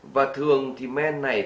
và thường thì men này